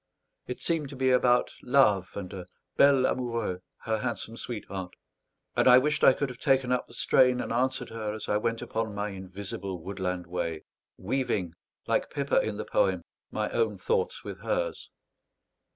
It seemed to be about love and a bel amoureux, her handsome sweetheart; and I wished I could have taken up the strain and answered her, as I went on upon my invisible woodland way, weaving, like Pippa in the poem, my own thoughts with hers.